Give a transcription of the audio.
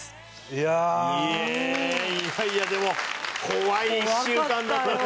いやいやでも怖い１週間だった。